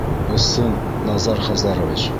Ысын Назар Хазарович!